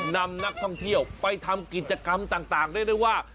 นำนักท่องเที่ยวไปทำกิจกรรมต่างเรียกได้ว่า